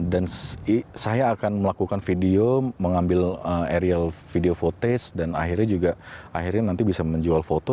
dan saya akan melakukan video mengambil aerial video footage dan akhirnya juga bisa menjual foto